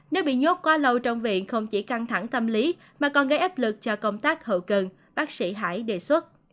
nếu bị nhốt quá lâu trong viện không chỉ căng thẳng tâm lý mà còn gây áp lực cho công tác hậu cần bác sĩ hải đề xuất